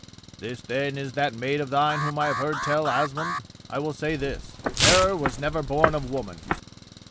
"This, then, is that maid of thine of whom I have heard tell, Asmund? I will say this: fairer was never born of woman."